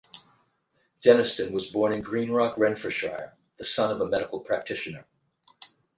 Denniston was born in Greenock, Renfrewshire, the son of a medical practitioner.